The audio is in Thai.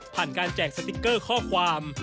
การแจกสติ๊กเกอร์ข้อความ